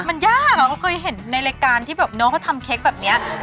มันยากอะเขาเคยเห็นในรายการที่แบบน้องเขาทำเค้กแบบนี้